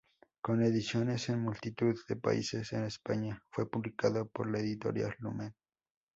Con ediciones en multitud de países, en España fue publicado por la editorial Lumen.